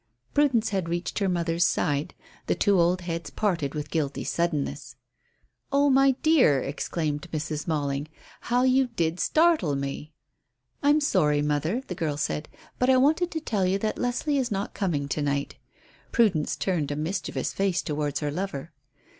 Prudence had reached her mother's side. The two old heads parted with guilty suddenness. "Oh, my dear," exclaimed Mrs. Malling, "how you did startle me." "I'm sorry, mother," the girl said, "but I wanted to tell you that Leslie is not coming to night." Prudence turned a mischievous face towards her lover.